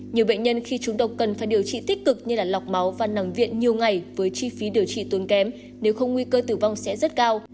nhiều bệnh nhân khi chúng độc cần phải điều trị tích cực như lọc máu và nằm viện nhiều ngày với chi phí điều trị tốn kém nếu không nguy cơ tử vong sẽ rất cao